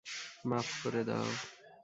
মাফ করে দাও।